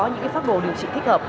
những pháp đồ điều trị thích hợp